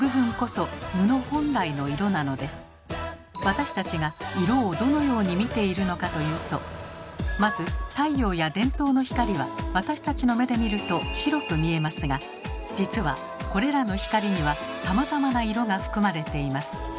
私たちが色をどのように見ているのかというとまず太陽や電灯の光は私たちの目で見ると白く見えますが実はこれらの光にはさまざまな色が含まれています。